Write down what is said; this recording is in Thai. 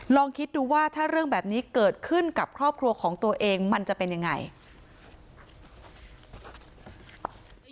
ลองคิดดูว่าถ้าเรื่องแบบนี้เกิดขึ้นกับครอบครัวของตัวเองมันจะเป็นยังไง